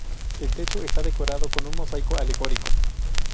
El techo está decorado con un mosaico alegórico.